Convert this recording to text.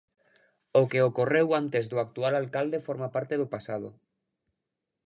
"O que ocorreu antes do actual alcalde forma parte do pasado".